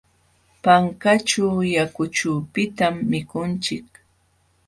Pankanćhu yakuchupitam mikunchik.